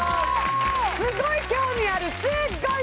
すごい興味あるすっごい